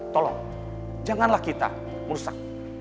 tolong janganlah kita merusak